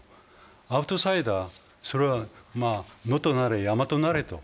アウトサイダー、それは野となれ山となれと。